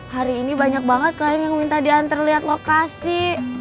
hari ini banyak banget klien yang minta diantar lihat lokasi